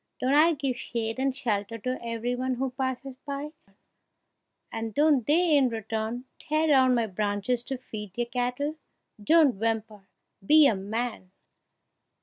Don't I give shade and shelter to every one who passes by, and don't they in return tear down my branches to feed their cattle? Don't whimper be a man!"